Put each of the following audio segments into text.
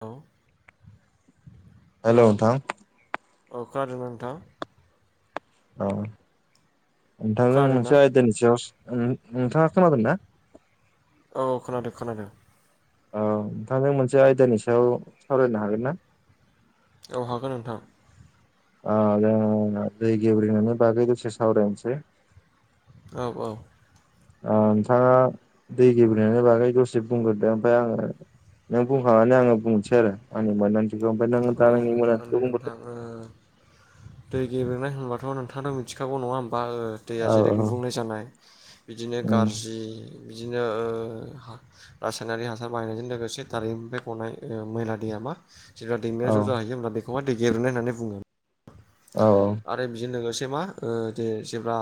औ hello hello नोंथां औ खोनादोंना नोंथां? औ नोंथांजों खोनादोंना मोनसे आयदानि सायाव सा उम नोंथाङा खोनादोंना? औ औ खोनादों खोनादों। औ नोंथांजों मोनसे आयदानि सायाव सावरायनो हागोन ना? औ हागोन नोंथां ओ जों दै गेवब्रेनायनि बागै दसे सावरायनोसै औ औ ओ नोंथाङा दै गेब्रेनायनि बागै दसे बुंग्रोदो ओमफ्रायाय आङो नों बुंखांनानै आङो बुंनोसै आरो आंनि मोनदांथिखौ ओमफ्राय नोङो औ दा नोंनि जागोन दे मोनदांथिखौ नोंथां बुंहरदो ओ दै गेब्रेनाय होनबाथ' नोंथाङाथ मिथिखागौ नङा बा ओ दैया औ जेरै गुबुंल जानाय बिदिनो गाज्रि बिदिनो ओ रासायनारि हासार बायनायजों लोगोसे दारिमनिफ्राय गनाय ओ मैला दैया मा जेब्ला औ दैमाया ज' जाहैयो होनब्ला बेखौहाय दै गेब्रेनाय होननानै बुङो। आरो बिजों लोगो से मा ओ दे जेब्ला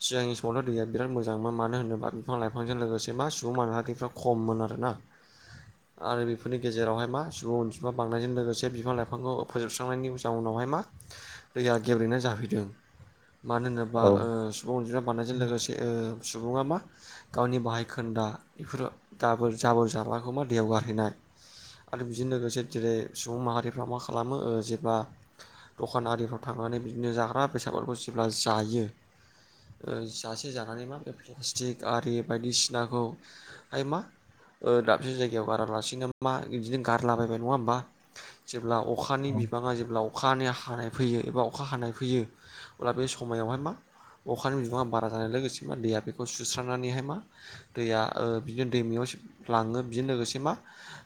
सिगांनि समावथ' दैया बिराद मोजांमोन मानो होनोबा बिफां लाइफांजों बेसेबा सुबुं माहारिफ्रा खममोन आरोना आरो बेफोरनि गेजेरावहाय मा सुबुं अनसिमा बांनायजों लोगोसे बिफां लाइफांखौ फोजोबस्रांनायनि जाउनाव माय मा दैया गेब्रेना जाफैदों मानो होनोबा औ ओ सुबुं अनजिमा बांनायजों लोगोसे ओ सुबुङा मा गावनि बाहाय खोन्दा बेफोराव दाबोर जाबोर जलाखौ मा दैयाव गारहैनाय आरो बिजों लोगोसे जेरै सुबुं माहारिफ्रा मा खालामो ओ जेब्ला दखान आरिफोर थांनानै बिदिनो जाग्रा बेसादफोरखौ जेब्ला जायो। ओ जासे जानानै मा प्लास्टिक आरि बायदिसिनाखौ आय मा दाबसे जायगायाव गारालासिनोामा बिदिनो गारलाबायबाय नङा होमबा जेब्ला अखानि औ बिबाङा जेब्ला अखानि हानाय फैयो। एबा अखा हानाय फैयो अब्ला बे समायावहाय मा अखानि बिबाङा बारा जानाय लोगोसे मा दैया बेखौ सुस्रांनानैहाय मा दैया बिदिनो दैमायाव लाङो बेजों लोगोसे मा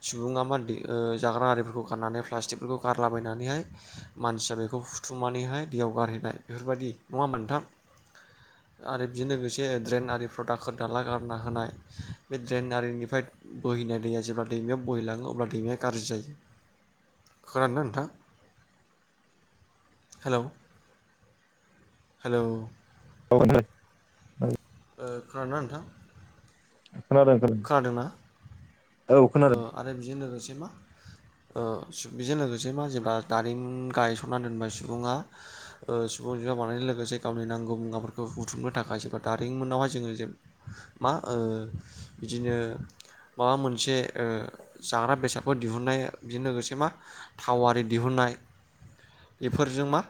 सुबुङा मा ओ जाग्रा आरिखौ गारनानै प्लासथिकफोरखौ गारना लाबोनानैहाय मानसिया बेखौ बुथुमनानैहाय दैयाव गारहैनाय बेफोरबायदि नङा मोनथाम आरो बिजों लोगोसे ड्रेन आरि प्रडाक्टफोर दाला गारना होनाय बे ड्रेन आरिनिफ्राय बोहैनाय दैया जेब्ला दैमाया बोहैलाङो अब्ला दैमाया गाज्रि जायो खोनादों ना नोंथां? हेलौ हेलौ औ खोनादों ना नोंथां? खोनादों खोनादोंना खोनादों औ ओ आरो बेजों लोगोसे मा ओ बेजों लोगोसे मा जेब्ला दारिमिन गायसनना दोनबाय सुबुङा अनजिगा बानायनायजों लोगोसे गावनि नांगौ मुवाफोरखौ बुथुमनो थाखायबा दारिमिनावहाय जोङो मा ओ बिदिनो माबा मोनसे ओ जाग्रा बेसादफोर दिहुनन्नाया बिजों लोगोसे मा थावारि दिहुननाय बेफोरजों मा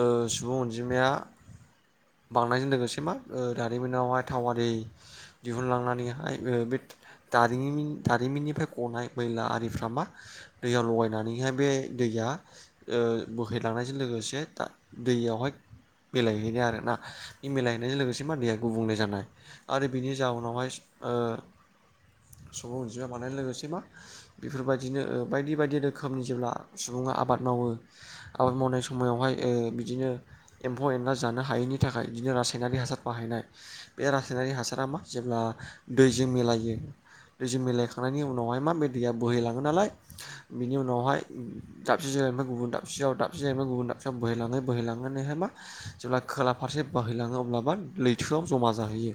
ओ सुबुं अनजिमाया बांनायजों लोगोसे मा दानिमनावहाय थावारि दिहुनलांनानैहाय बे दखरिमिन दारिमिननि फ्राय गनाय मैला आरिफ्रा मा दैयाव लगायनानैहाय बे दैया बोहै लांनायजों लोगोसे दा दैयावहाय मिलायहैनाय आरोना बे मिलायहैनायजों लोगोसे मानदैया गुबुंले जानाय आरो बिनि जाउनावहाय ओ सुबुं अनजिमा बानाय लोगोसे बेफोरबायदिनो बायदि बायदि रोखोमनि जेब्ला सुबुङा आबाद मावो आबाद मावनाय समावहाय बिदिनो एम्फौ एनला जानो हायैनि थाखाय बिदिनो रासायनारि हासार बाहायनाय बे रासायनारि हासारा मा जेब्ला दैजों मिलायो दैजों मिलायखांनायनि उनाव उनावहाय माब बे दैया बोहैलाङो नालाय बिनि उनावहाय दाबसे जायनिफ्राय गुबुन दाबसे दाबसे जाहैबाय गुबुन बोहैलाङोैलाङोन नेहाय मा जेब्ला खोला फारसे बोहैलाङो अब्लाबा लैथोआव ज'मा जाहैयो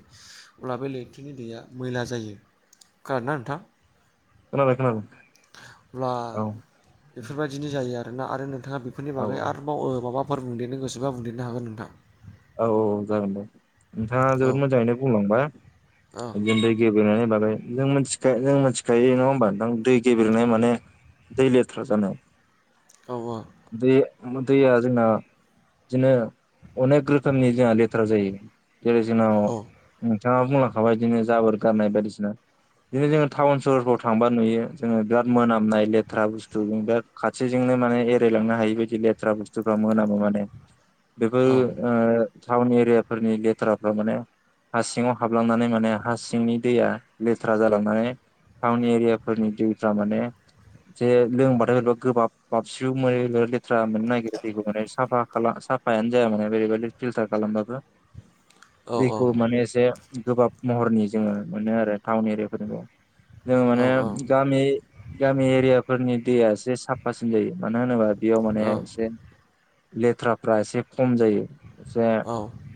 अब्ला बे लैथोनि दैया मैला जायो खोनादोंना नोंथां? खोनादों खोनादों [inaudible] अब्ला औ बेफोरबायदिनो जायो आ रोना आरो नोंथाङा बेफोरनि औ औ बागै आरोबाव माबाफोर बुंदेरनो गोसोबा बुंदेरनो हागोन नोंथां। औ औ जागोन दे। नोंथाङा औ जोबोद मोजाङैनो बुंलांबाय औ [unintelligible] बेनि बागै जों मिथिख जों मिथिखायो नङा होमबा दै गेबेरेनाय माने दै लेथ्रा जानाय औ औ दै दैया जोंना जेने बिदिनो अनेक रोखोमनि जोंना लेथ्रा जायो जेरै जोंनाव औ नोंथाङा बुंलांखाबाय बिदिनो जाबोर गारनाय बायदिसिना बिदिनो जोङो टाउन सहरफ्राव थांबा नुयो जोङो बिराद मोनामनाय लेथ्रा बुस्थु [unintelligible] खाथिजों माने एरायलांनो हायो बायदि लेथ्रा बुस्थुफ्रा मोनामो माने। [inaudible] बेफोर ओ टाउन एरियाफोरनि लेथ्राफ्रा माने हा सिङाव हाबलांनानै माने हासिंनि दैया लेथ्रा जालांनानै टाउन एरियाफोरनि दैफोरा माने जे लोंबाथायबा गोबाब बाबसिउ मोनो लेथ्रा मोन नागिरो दैखौ माने साफा खाला साफायानो जाया माने ओरैबायादि फिल्टार खालामबाबो औ [inaudible] दैखौ माने एसे गोबाब महरनि जोङो मोनो आरो टाउन एरियाफोरनिखौ। जोङो माने औ गामि गामि एरियाफोरनि दैया एसे साफासिन जायो मानो होनोबा बेयाव माने औ एसे लेथ्राफ्रा एसे खम जायो। जा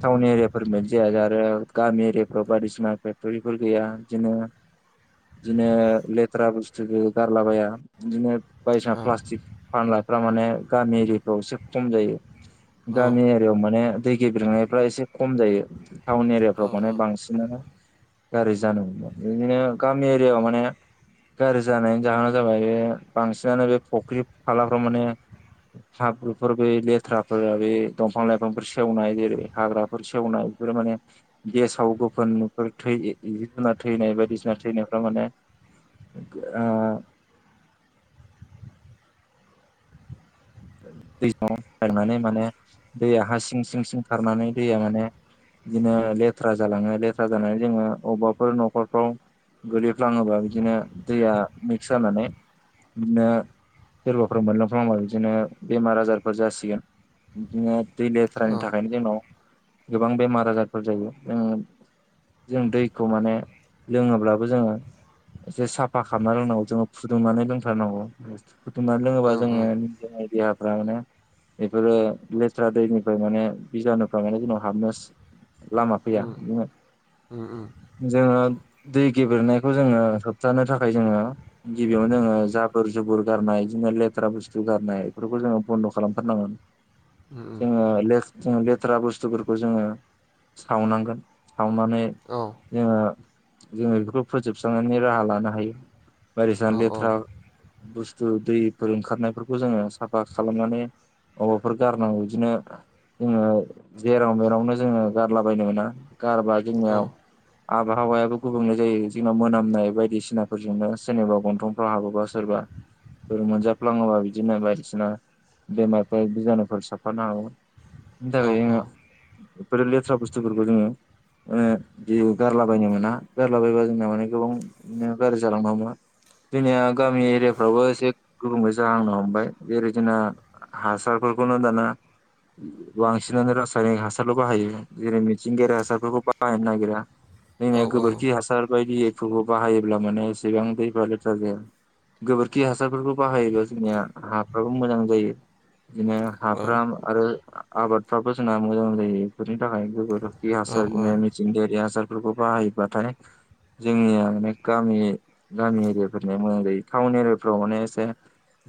टाउन एरियाफोर मोन जाया ओ गामि एरियाफ्राव बायदिसिना फेक्टरिफोर गैया बिदिनो बिदिनो लेथ्रा बुस्थुख गारलाबाया इदिनो बायदिसिना प्लास्टिक फानलाफ्रा माने गामि एरियाफ्राव एसे खम जायो। गामि एरियाव माने दै गेबेरंनायफ्रा एसे खम जायो टाउन औ एरियाफ्रावखौनो बांसिनानो गारजानो बिदिनो गामि एरियाव माने गाज्रि जानायनि जाहोना जाबाय बे बांसिनानो बे फुख्रि फालाफ्राव माने हाब्रुफोर बे लेथ्राफोर बे दंफां लाइ फांफोर सेवनाय जेरै हाग्राफोर सेवनाय बेफोर माने देसाव गोफोनफोर थै जिब जुनार थैनाय बायदिसिना थैनायफाव माने ओ [inaudible] दै [unintelligible] थांनानै माने दैया हा सिं सिं सिं खारनानै दैया माने बिदिनो लेथ्रा जालाङो लेथ्रा जानानै जोङो अबेबाफोर नखरफ्राव गलैफ्लाङोबा बिदिनो दैया मिक्स जानानै बिदिनो सोरबाफोर मोनलांफाबा बिदिनो बेमार आजारफोर जासिगोन बिदिनो दै लेथ्रानि थाखायनो जोंनाव गोबां बेमार आजारफोर जायो जों जों दैखौ माने लोङोब्लाबो जोङो एसे साफा खालामना रोंनांगौ जोङो फुदुंनानै लोंथारनांगौ। बुथुमनानै लोङोबा औ औ जोङोनि देहाफ्रा माने बेफोरो लेथ्रा दैनिफ्राय माने बिजानुफ्राय माने जोंनाव हाबनो लामा फैया। उम [inaudible] जोङो दै गेबेरेनायखौ जोङो होबथानो थाखाय जोङो गिबियावनो जोङो जाबोर जुबुर गारनाय बिदिनो लेतरा बुसतु गारनाय बेफोरखो जोंयो बन्द खालामथारनांगोन। उम उम जोङो जोङो लेथ्रा बुस्थुफोरखौ जोङो सावनांगोन सावनानै औ जोङो, जोङो बेखौ फोजोबस्रांनायनि राहा लानो हायो। बायदिसिना औ औ लेथ्रा बुस्थु दैफोर ओंखारनायफोरखौ जोङो साफा खालामनानै [unintelligible] नांगौ इदिनो जोङो जेराव मेरावनो जोङो गारलाबायनो मोना। गारबा जोंनियाव आ बहावायाबो गुबुंले जायो जोंनना मोनामनाय बायदिसिनाफोरजोंनो सोरेनेबा गन्थंफ्राव हाबोबा सोरबा मोनजा फ्लाङोबा बिदिनो बाय बायदिसिना बेमारफोर बिजानुफोर साफानो हागौ इनि औ औ थाखायनो जोंङो बे लेथ्रा बुस्थुफोरखौ जोङो ओ जेबो गारलाबायनो मोना गारला बायबा जोंना माने जोंना माने गोबां बिदिनो गाज्रि जालांनो हमो। जोंनिया गामि एरियाफ्रावबो एसे गुबुंले जाहांनो हमबाय जरै जोंना हासारफोरखौनो दाना बांसिनानो रासायनिक हासारल' बाहायो जेरै मिथिंगायारि हासारफोरखौ बाहायनो नागिरा। जोंनिया गोबोरखि हासार बायदिखौबो बाहायोब्ला माने एसेबां दैफोरा लेथ्रा जाया। गोबोरखि हासारफोरखौ बाहायो जोंनिया हा फोराबो मोजां जायो बिदिनो हाफ्रा आरो आबादफ्राबो जोंना मोजां जायो बेफोरनि थाखाय गोबोरखि हासार इदिनो मिथिंगायारि हासार बेफोरखौ बाहायोबाथाय। जोंनिया माने गामि गामि एरियाफोरनिया मोजां जायो। टाउन एरियाफ्राव माने एसे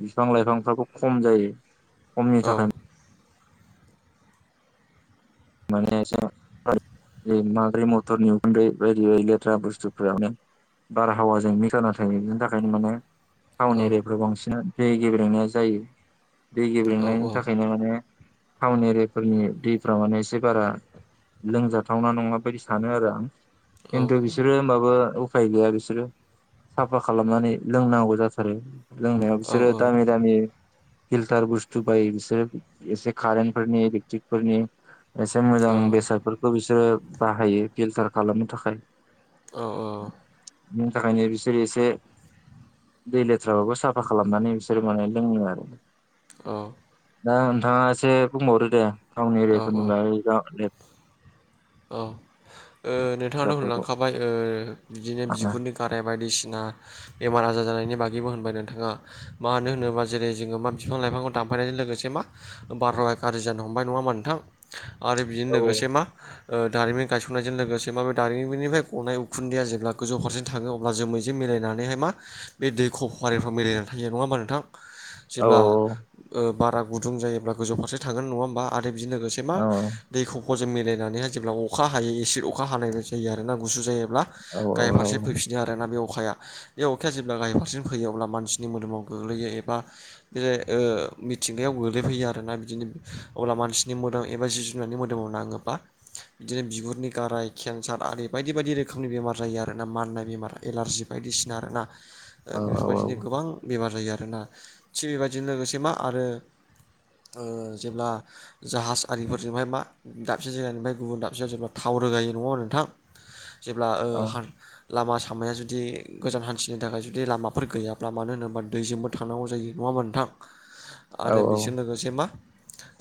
बिफां-लाइफांफ्राबो खम जायो, खमनि थाखाय माने [inaudible] माबोरै मथरनि उखुन्दै बायदि बायदि लेथ्रा बुस्थुफोरावनो बारहावाजों मिक्स जाना थायो बिनि थाखायनो माने टाउन एरियाफ्राव बांसिन दै गेब्रेंनाया जायो। दै गेब्रेंनायनि थाखायनो औ माने टाउन एरियाफोरनि दैफोरा माने ए से बारा लोंजाथावना नङा बायदि सानो आरो आं। खिन्थु बिसोरो होमबाबो ओ उफाय गैया बिसोरो साफा खालामनानै लोंनांगौ जाथारो। लोंनायाव बिसोरो दामि दामि फिलथार बस्थु बायो बिसोरो एसे खारेन्टफोरनि, इलट्रिकफोरनि एसे मोजां बेसादफोरखौ बिसोरो बाहायो फिल्टार खालामनो थाखाय। बिनि थाखायनो बिसोरो एसे दै लेथ्राबाबो साफा खालामनानै बिसोरो माने लोङो आरो। औ दा नोंथाङा एसे बुंबावदो दे टाउन औ एरियाफोरनि औ [unintelligible] औ ओ नोंथाङाथ' लेथ्राफोरखौ होनलांखाबाय ओ बिदिनो औ बिगुरनि गाराय बायदिसिना बेमार आजार जानायनि बागैबो होनबाय नोंथाङा मानो होनोबा जेरै जोङो मा बिफां-लाइफांखौ दानफायनायजों लोगोसे मा बार हावाया गारजि जानो हमबाय नङा होमबा नोंथां? आरो बिजोंनो लोगोसे मा दारिमिन गायस ननायजों लोगोसे माबे बे दारिमिननिफ्राय गनाय उखुन्दैया जेब्ला गोजौ फारसे थाङो अब्ला जोमैजों मिलायनानैहाय मा बे दै खफ' आरिफ्राव मिलायनानै थायो नङा होमबा नोंथां? औ जेब्ला ओ बारा गुदुं जायोब्ला गोजौ फारसे थांगोन नङा होमबा आदै? बिदिनो लोगोसे मा औ दैखफ'जों मिलायनानैहाय जेब्ला अखा हायो एसे अखा हानाय जायो आरोना गुसु जायोब्ला औ औ गाहाय फारसे फैफिनो आरो ना बे अ खाया बे अखाया जेब्ला गाहाय फारसेजों फैयो अब्ला मानसिनि मोदोमाव गोग्लैयो एबा बे जाय ओ मिथिंगायाव गोग्लैफैयो आरोना बिदिनो अब्ला मानसिनि मोदोम एबा जिब जुनारनि मोदोमाव नाङोबा बिदिनो बिगुरनि गाराय खेनसार आरि बायदि बायदि रोखोमनि बेमार जायो आरो ना माननाय बेमार एलारजि बायदिसि ना आरोना बेफोरबायदिनो गोबां बेमार जायो आ रोना थि बेबायदिनो लोगोसे मा आरो ओ जेब्ला जाहाज आरिफोरजोंहाय मा दाबसे जायगानिफ्राय गुबुन दाब सेयाव जेब्ला थाव रोगायो नङा होमबा नोंथां? जेब्ला ओ औ हा लामा सामाया जुदि गोजान हान्थिनो थाखाय जुदि लामाफोर गैयाब्ला मानो होनोबा दैजोंबो थांनांगौ जायो नङा होन्बा नोंथां औ आरो बेजों लोगोसे मा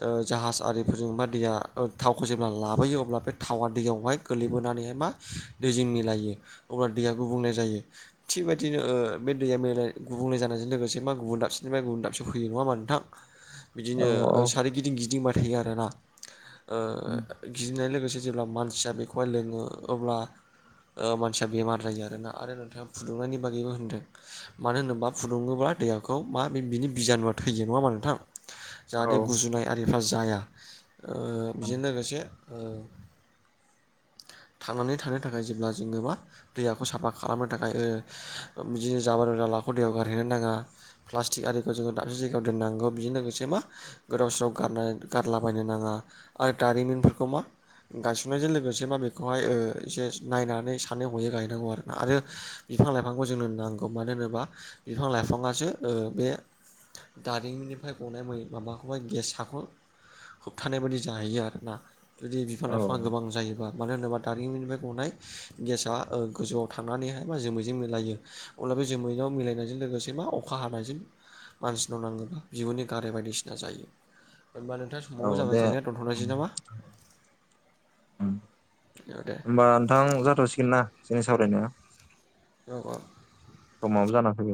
ओ जाहाज आरिफोरजों बा दैया ओ थावखौ जेब्ला लाबोयो अब्ला थावा दैयावहाय गोलैबोनानैहाय मा दैजों मिलायो अब्ला दैया गुबुंले जायो। थिग बेबायदिनो ओ बे दैया मेलाय गुबुंले जानायजों लोगोसे मा गुबुन दाबसेनिफ्राया गुबुन दाबसेयाव फैयो नङा मा नोंथां? बिदिनो औ सारिगिदिं गिदिंबाय थायो आरोना ओ गिदिंनाय लोगोसे जेब्ला मानसिया बेखौहाय लोङो अब्ला ओ मानसिया बेमार जायो आरोना आरो नोंथाङा फुदुंनायनि बागैबो होनदों मानो होनोब्ला फुदुङोब्ला दैयाखौ मा बे बिनि बिजानुआ थैयो नङा होनमा नोंथां? जाहाथे गुजुनाय आरिफ्रा जाया ओ बेजों लोगोसे ओ [inaudible] थांनानै थानो थाखाय जेब्ला जोङो मा दैयाखौ साफा खालामनो थाखाय बिदिनो जा [unintelligible] लाखौ दैयाव गारहैनो नाङा प्लास्टिक आरिखौ जोङो दाबसे जायगायाव दोननांगौ बेजों लोगोसे मा गो गोदाव सोराव गारना गारलाबायनो नाङा आरो दारिमिनफोरखौ मा गायसननायजों लोगोसे मा बेखौहाय एसे नायनानै सानै हयै गायनांगौ आरो--ना आरो बिफां बिफां लाइफांखौ जोंनो नांगौ मानो होनोबा बिफां लाइफाङासो ओ बे दारिमिनिफ्राय गनाय मै-माबाखौह गेस हाख होबथानाय बायदि जाहैयो आरोना जुदि बिफां औ लाइफाङा गोबां जायोबा मानो होनोबा दारिमिनिफ्राय गनाय गेसा गोजौआव थांनानैहाय मा जोमैजों मिलायो अब्ला दा बे जोमैनायाव मिलायनायजों लोगोसे मा अखा हानायजों मानसिनाव नाङोब्ला बिगुरनि गाराय बायदिसिना जायो जेनेबा नोंथां औ समावबो जाबाय दे जोंनिया दोनथ'नोसै नामा? औ दे होमबा नोंथां जाथ'सिगोन ना? जोंनि सावरायनाया नंगौ? समाबो जाना फैबाय।